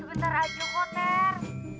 sebentar aja kok ter